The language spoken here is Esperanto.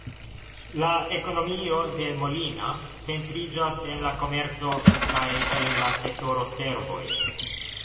La ekonomio de Molina centriĝas en la komerco kaj en la sektoro servoj.